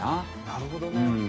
なるほどね。